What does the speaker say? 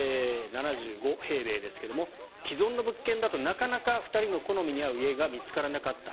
７５平米ですが、既存の物件だとなかなか２人の好みに合う家が見つからなかった。